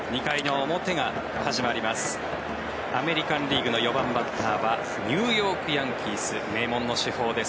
アメリカン・リーグの４番バッターはニューヨーク・ヤンキース名門の主砲です